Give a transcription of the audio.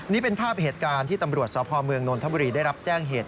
นี่เป็นภาพเหตุการณ์ที่ตำรวจสพเมืองนนทบุรีได้รับแจ้งเหตุ